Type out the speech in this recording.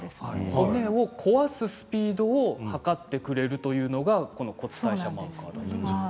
骨を壊すスピードを測ってくれるというのがこの骨代謝マーカーです。